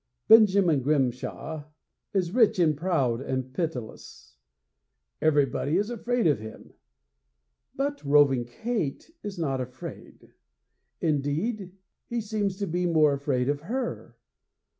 Benjamin Grimshaw is rich and proud and pitiless. Everybody is afraid of him. But Roving Kate is not afraid. Indeed, he seems to be more afraid of her.